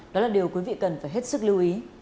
đó là điều quý vị cần phải hết sức lưu ý